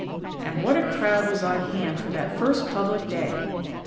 And what a crowd was on hand for that first public day!